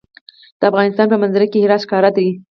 د افغانستان په منظره کې هرات ښکاره ده.